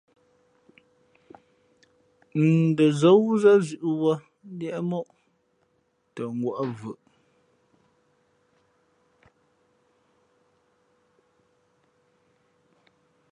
N dαzά wúzᾱ zʉ̌ʼ wuᾱ liēʼ ̀móʼ tα ngwα̌ʼ ̀mvʉʼ.